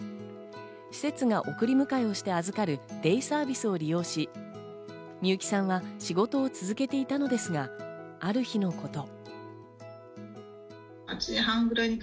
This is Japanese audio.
施設が送り迎えして預かるデイサービスを利用し、美由紀さんは仕事を続けていたのですが、ある日のこと。